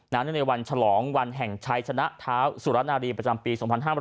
ในวันฉลองวันแห่งชัยชนะเท้าสุรนารีประจำปี๒๕๖๐